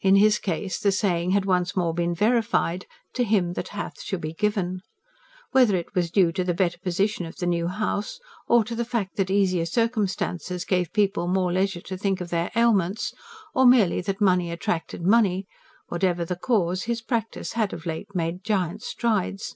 In his case the saying had once more been verified: to him that hath shall be given. Whether it was due to the better position of the new house; or to the fact that easier circumstances gave people more leisure to think of their ailments; or merely that money attracted money: whatever the cause, his practice had of late made giant strides.